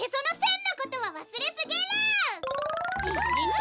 ん？